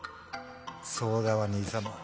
そうだわ兄様。